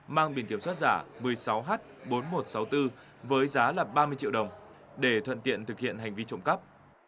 mang biển kiểm soát giả một mươi sáu h bốn nghìn một trăm sáu mươi bốn với giá ba mươi triệu đồng để thuận tiện thực hiện hành vi trộm cắp